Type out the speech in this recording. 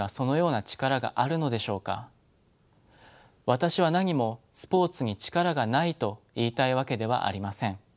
私はなにもスポーツに力がないと言いたいわけではありません。